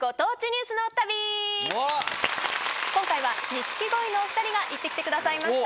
今回は錦鯉のお２人が行ってきてくださいました。